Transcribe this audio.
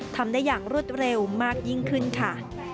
ทำได้อย่างรวดเร็วมากยิ่งขึ้นค่ะ